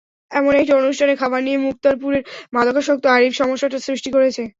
এমন একটি অনুষ্ঠানে খাবার নিয়ে মুক্তারপুরের মাদকাসক্ত আরিফ সমস্যাটা সৃষ্টি করেছে।